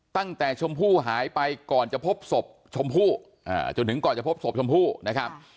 ตั้งแต่ชมพู่หายไปก่อนจะพบศพชมพู่จนถึงก่อนจะพบศพชมพู่นะครับ